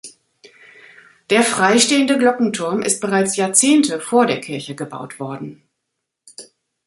Der freistehende Glockenturm ist bereits Jahrzehnte vor der Kirche gebaut worden.